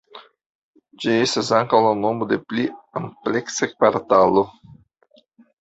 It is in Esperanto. Ĝi estas ankaŭ la nomo de pli ampleksa kvartalo.